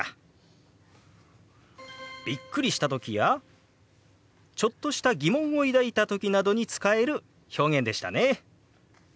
びっくりした時やちょっとした疑問を抱いた時などに使える表現でしたね。